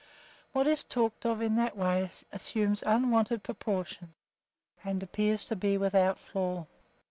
What is talked of in that way assumes unwonted proportions and appears to be without flaw.